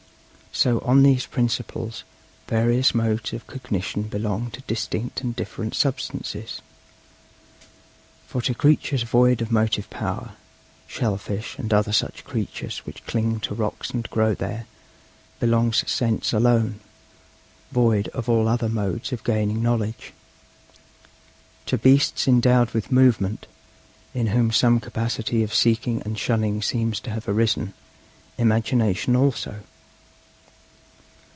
So on these principles various modes of cognition belong to distinct and different substances. For to creatures void of motive power shell fish and other such creatures which cling to rocks and grow there belongs Sense alone, void of all other modes of gaining knowledge; to beasts endowed with movement, in whom some capacity of seeking and shunning seems to have arisen, Imagination also.